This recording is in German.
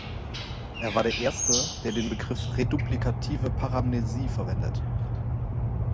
Er war der erste, der den Begriff reduplikative Paramnesie verwendete.